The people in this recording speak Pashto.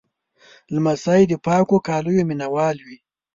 لمسی د پاکو کالیو مینهوال وي.